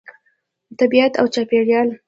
طبیعت او چاپیریال